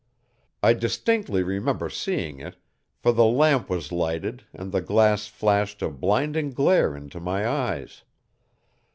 "I distinctly remember seeing it, for the lamp was lighted and the glass flashed a blinding glare into my eyes.